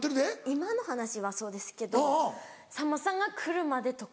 今の話はそうですけどさんまさんが来るまでとか。